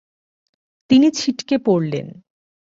তিনি ছিটকে পড়লেন।